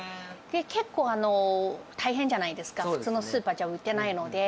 結構、大変じゃないですか、普通のスーパーじゃ売ってないので。